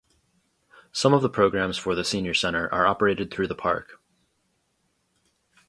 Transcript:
Some of the programs for the senior center are operated through the park.